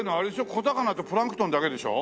小魚とプランクトンだけでしょ？